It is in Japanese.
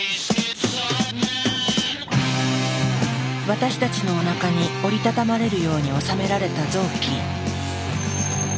私たちのおなかに折り畳まれるように収められた臓器。